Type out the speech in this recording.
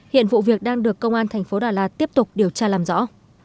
hiện vụ việc đang được công an tp đà lạt tiếp tục điều tra làm rõ